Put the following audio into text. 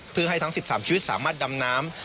เพื่อให้ทั้ง๑๓ชีวิตสามารถดำน้ำ